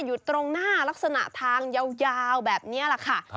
อยู่ตรงหน้าลักษณะทางยาวแบบนี้แหละค่ะ